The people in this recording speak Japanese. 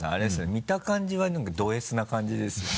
見た感じは何かドＳな感じですよね。